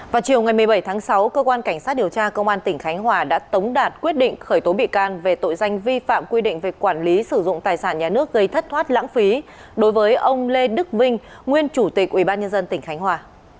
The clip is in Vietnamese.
vào chiều ngày một mươi bảy tháng sáu cơ quan cảnh sát điều tra công an tỉnh khánh hòa đã tống đạt quyết định khởi tố bị can về tội danh vi phạm quy định về quản lý sử dụng tài sản nhà nước gây thất thoát lãng phí đối với ông lê đức vinh nguyên chủ tịch ubnd tỉnh khánh hòa